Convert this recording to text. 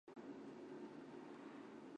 王朝闻自幼喜爱绘画。